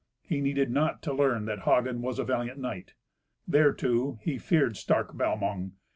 He needed not to learn that Hagen was a valiant knight. Thereto, he feared stark Balmung.